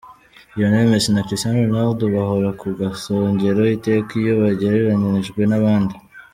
Lionel Messi na Cristiano Ronaldo bahora ku gasongero iteka iyo bagereranijwe n'abandi.